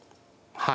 はい。